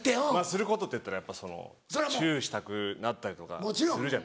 することっていったらやっぱチュしたくなったりとかする。